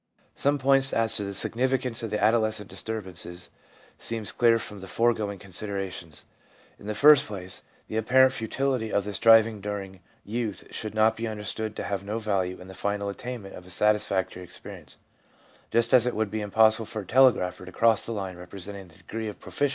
Some points as to the significance of the adolescent disturbances seem clear from the foregoing considera tions. In the first place, the apparent futility of the striving during youth should not be understood to have no value in the final attainment of a satisfactory experi ence; just as it would be impossible for a telegrapher to cross the line representing the degree of proficiency 1 ' Studies in the Physiology and Psychology of the Telegraphic Lan guage,' by Wm.